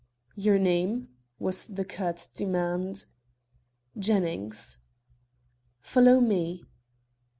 "Your name?" was the curt demand. "Jennings." "Follow me."